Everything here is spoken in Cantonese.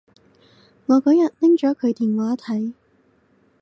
我嗰日拎咗佢電話睇